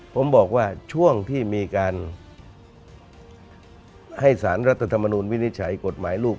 ผมบอกว่าช่วงที่มีการให้สารรัฐธรรมนูลวินิจฉัยกฎหมายลูก